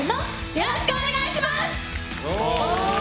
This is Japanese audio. よろしくお願いします！